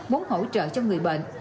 muốn hỗ trợ cho người bệnh